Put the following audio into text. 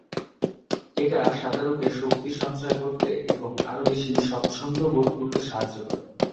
এটা সাঁতারুকে শক্তি সঞ্চয় করতে এবং আরও বেশি স্বচ্ছন্দ বোধ করতে সাহায্য করে।